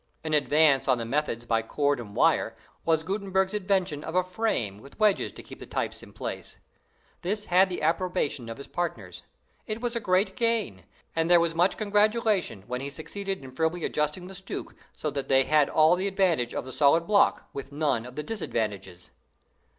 An advance on the method by cords and wire, was Gutenberg's invention of a frame with wedges to keep the types in place. This had the approbation of his partners. It was a great gain, and there was much congratulation when he succeeded in firmly adjusting the stucke so that they had all the advantage of the solid block, with none of its disadvantages.